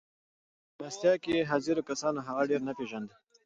په مېلمستيا کې حاضرو کسانو هغه ډېر نه پېژانده.